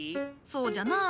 そうじゃなあ。